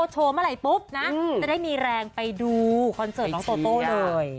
จะได้มีแรงไปดูคอนเซิร์ตน้องโตโต้เลย